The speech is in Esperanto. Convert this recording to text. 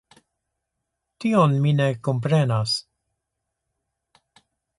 Tion mi ne komprenas.